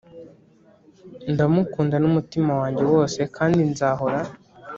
ndamukunda n'umutima wanjye wose kandi nzahora.